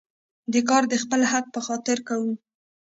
دا کار د خپل حق په خاطر کوو.